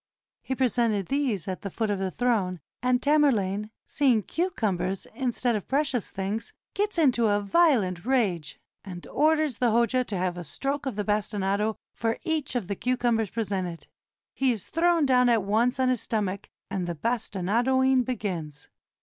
He presented these at the foot of the throne, and Tamerlane, seeing cucumbers in stead of precious things, gets into a violent rage, and or ders the Hoja to have a stroke of the bastinado for each of the cucumbers presented. He is thrown down at once on his stomach, and the bastinadoing begins.